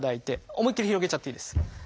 思いっきり広げちゃっていいです。